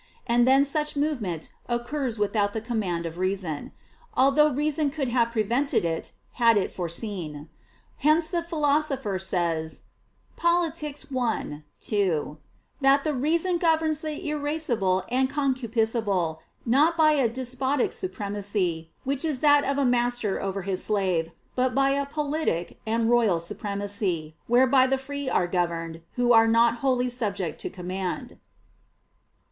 And then such movement occurs without the command of reason: although reason could have prevented it, had it foreseen. Hence the Philosopher says (Polit. i, 2) that the reason governs the irascible and concupiscible not by a "despotic supremacy," which is that of a master over his slave; but by a "politic and royal supremacy," whereby the free are governed, who are not wholly subject to command.